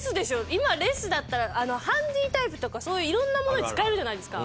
今レスだったらハンディータイプとかそういう色んなものに使えるじゃないですか。